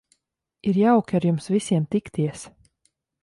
Ir jauki ar jums visiem tikties.